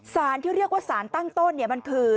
สารที่เรียกว่าสารตั้งต้นมันคือ